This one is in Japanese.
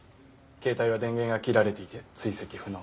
携帯は電源が切られていて追跡不能。